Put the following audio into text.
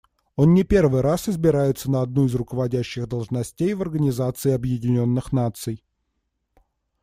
Он не первый раз избирается на одну из руководящих должностей в Организации Объединенных Наций.